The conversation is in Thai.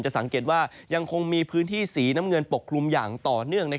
สังเกตว่ายังคงมีพื้นที่สีน้ำเงินปกคลุมอย่างต่อเนื่อง